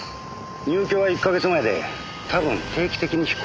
入居は１か月前で多分定期的に引っ越してます。